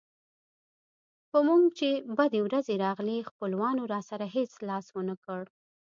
په موږ چې بدې ورځې راغلې خپلوانو راسره هېڅ لاس ونه کړ.